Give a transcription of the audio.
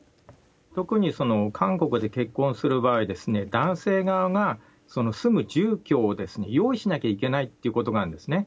特に韓国で結婚する場合、男性側が住む住居を用意しなきゃいけないということがあるんですね。